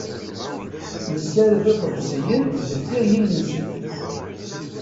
Nessared iḍebsiyen sdeffir yimensi.